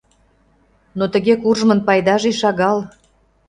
— Но тыге куржмын пайдаже шагал.